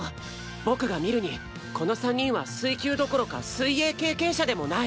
僕が見るにこの３人は水球どころか水泳経験者でもない。